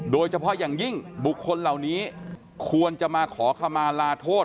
โดยเฉพาะอย่างยิ่งบุคคลเหล่านี้ควรจะมาขอขมาลาโทษ